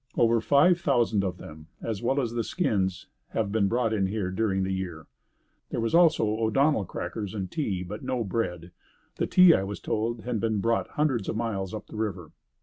Over five thousand of them, as well as the skins have been brought in here during the year." There was also O'Donnell crackers and tea, but no bread. The tea, I was told, had been brought hundreds of miles up the river.